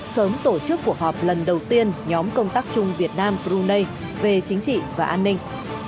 sớm tổ chức cuộc họp lần đầu tiên nhóm công tác chung việt nam brunei về chính trị và an ninh